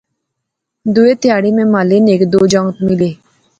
دوہے تہاڑے میں محلے نے ہیک دو جنگت ملے